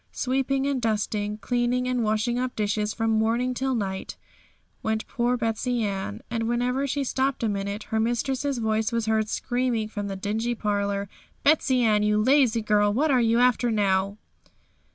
Sweeping, and dusting, and cleaning, and washing up dishes from morning till night, went poor Betsey Ann; and whenever she stopped a minute, her mistress's voice was heard screaming from the dingy parlour 'Betsey Ann, you lazy girl! what are you after now?'